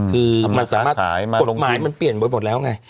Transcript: คือมันสามารถกฎหมายมันเปลี่ยนไปหมดแล้วไง